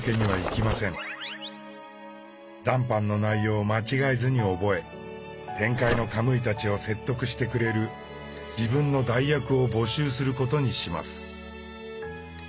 談判の内容を間違えずに覚え天界のカムイたちを説得してくれる自分の代役を募集することにします。